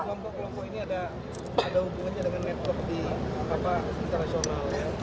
kelompok kelompok ini ada hubungannya dengan network di internasional